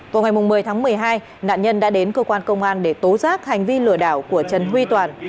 vào ngày một mươi tháng một mươi hai nạn nhân đã đến cơ quan công an để tố giác hành vi lừa đảo của trần huy toàn